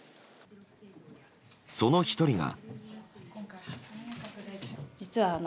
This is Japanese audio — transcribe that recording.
その１人が。